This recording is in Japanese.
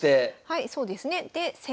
はいそうですね。